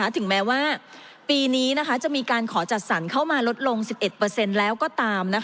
ถึงแม้ว่าปีนี้จะมีการขอจัดสรรเข้ามาลดลง๑๑แล้วก็ตาม